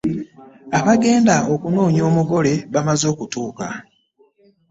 Abagenda okunona omugole bamaze okutuuka.